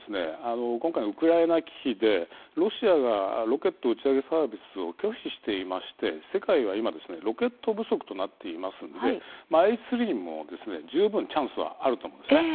今回ウクライナ危機でロシアがロケット打ち上げサービスを拒否していまして世界は今、ロケット不足となっていますのでＨ３も十分チャンスはあると思います。